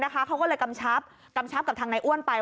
เขาก็เลยกำชับกำชับกับทางนายอ้วนไป